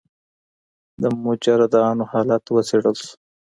د مجردانو حالت وڅیړل سو.